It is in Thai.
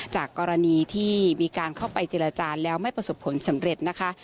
จากกรณีที่มีการเข้าไปเจรจาแล้วไม่ประสบผลสำเร็จนะคะ